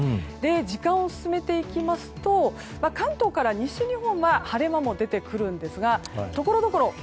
時間を進めていきますと関東から西日本は晴れ間も出てくるんですがところどころ